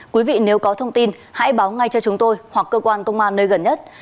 quý vị nếu có thông tin hãy báo ngay cho chúng tôi hoặc cơ quan công an nơi gần nhất